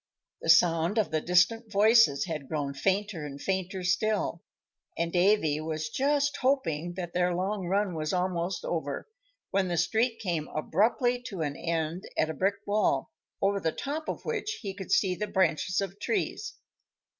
The sound of the distant voices had grown fainter and fainter still, and Davy was just hoping that their long run was almost over, when the street came abruptly to an end at a brick wall, over the top of which he could see the branches of trees.